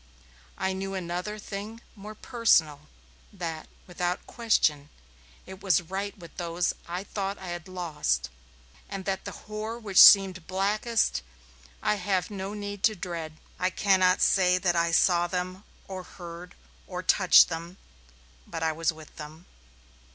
And I knew another thing more personal that, without question, it was right with those I thought I had lost and that the horror which seemed blackest I have no need to dread. I cannot say that I saw them or heard or touched them, but I was with them.